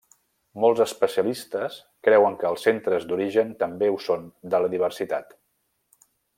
Molts especialistes creuen que els centres d'origen també ho són de la diversitat.